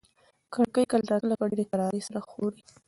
کړکۍ کله ناکله په ډېرې کرارۍ سره ښوري.